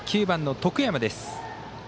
９番の得山です。